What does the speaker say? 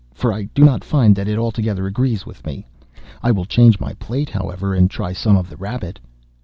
—for I do not find that it altogether agrees with me. I will change my plate, however, and try some of the rabbit."